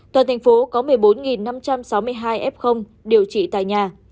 toàn thành phố có một mươi bốn năm trăm sáu mươi hai f điều trị tại nhà